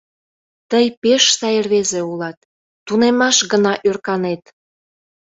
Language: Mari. — Тый пеш сай рвезе улат, тунемаш гына ӧрканет.